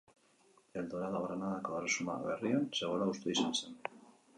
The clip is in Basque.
El Dorado Granadako Erresuma Berrian zegoela uste izan zen.